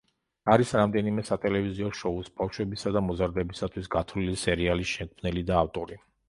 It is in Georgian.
არის რამდენიმე სატელევიზიო შოუს, ბავშვებისა და მოზარდებისათვის გათვლილი სერიალის შემქმნელი და ავტორი.